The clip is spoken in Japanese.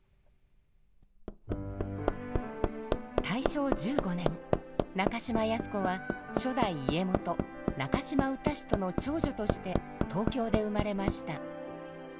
大正１５年中島靖子は初代家元中島雅楽之都の長女として東京で生まれました。